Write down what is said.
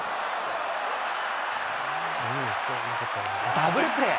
ダブルプレー。